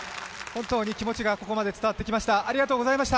本当に気持ちがここまで伝わってきました。